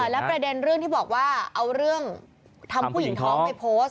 และประเด็นเรื่องที่บอกว่าเอาเรื่องทำผู้หญิงท้องไปโพสต์